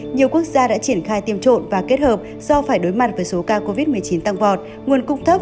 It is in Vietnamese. nhiều quốc gia đã triển khai tiêm trộn và kết hợp do phải đối mặt với số ca covid một mươi chín tăng vọt